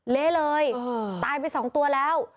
เละเลยตายไป๒ตัวแล้ว